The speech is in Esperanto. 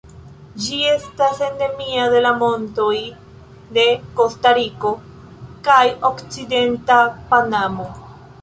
Ĝi estas endemia de la montoj de Kostariko kaj okcidenta Panamo.